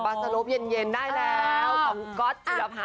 โปรดติ่งกับ